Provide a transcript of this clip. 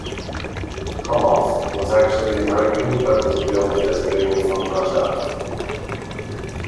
Koloff was actually American but was billed as being from Russia.